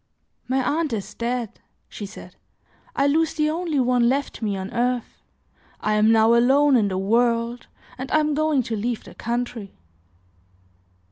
"My aunt is dead," she said; "I lose the only one left me on earth, I am now alone in the world and I am going to leave the country."